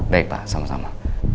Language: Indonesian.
baik pa sama sama